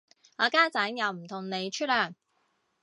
我家陣又唔同你出糧